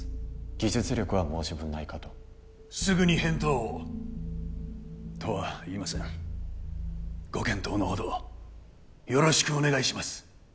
技術力は申し分ないかとすぐに返答をとは言いませんご検討のほどよろしくお願いします